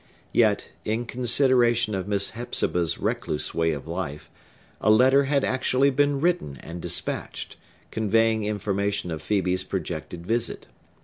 Yet, in consideration of Miss Hepzibah's recluse way of life, a letter had actually been written and despatched, conveying information of Phœbe's projected visit.